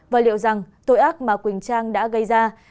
và liệu rằng tội ác mà quỳnh trang đã gây ra